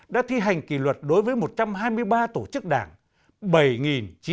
đã thi hành kỷ luật đối với một trăm hai mươi ba tổ chức đảng